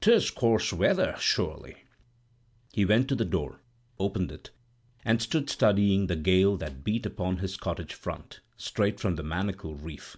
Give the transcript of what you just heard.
'tis coarse weather, surely." He went to the door, opened it, and stood studying the gale that beat upon his cottage front, straight from the Manacle Reef.